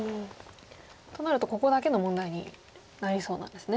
となるとここだけの問題になりそうなんですね。